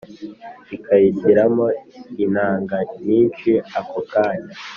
ikayishyiramo intanganyinshi akokanya